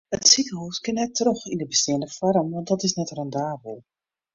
It sikehûs kin net troch yn de besteande foarm want dat is net rendabel.